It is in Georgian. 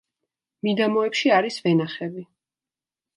მიდამოებში არის ვენახები.